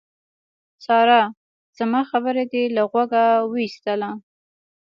سارا! زما خبره دې له غوږه واېستله.